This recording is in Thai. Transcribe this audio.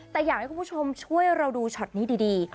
แต่อยากให้คุณผู้ชมช่วยเราดูช็อตนี้ดี